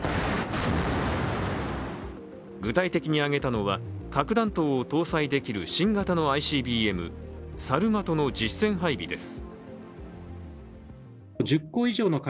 具体的に挙げたのは、核弾頭を搭載できる新型のＩＣＢＭサルマトの実戦配備です。